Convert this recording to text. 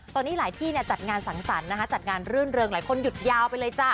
ตอนนี้หลายที่จัดงานสังสรรค์นะคะจัดงานรื่นเริงหลายคนหยุดยาวไปเลยจ้ะ